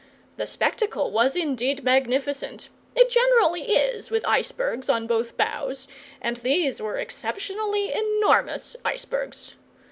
The spectacle was indeed magnificent it generally is, with icebergs on both bows, and these were exceptionally enormous icebergs.